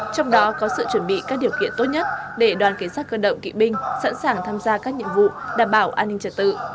trong đó có sự chuẩn bị các điều kiện tốt nhất để đoàn kỵ binh sẵn sàng tham gia các nhiệm vụ đảm bảo an ninh trật tự